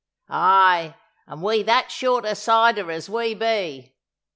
Ay, and we that short o' cider as we be!"